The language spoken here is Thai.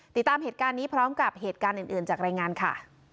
ติดตามเหตุการณ์นี้พร้อมกับเหตุการณ์อื่นจากรายงานค่ะ